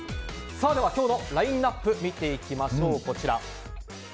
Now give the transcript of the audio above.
今日のラインアップ見ていきましょう。